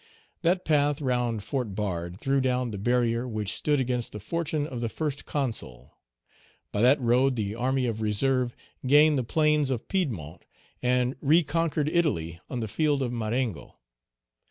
That path round Fort Bard threw down the barrier which stood against the fortune of the First Consul; by that road the army of reserve gained the plains of Piedmont and reconquered Italy on the field of Marengo.